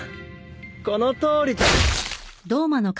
このとおり。